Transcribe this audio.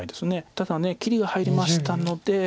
ただ切りが入りましたので。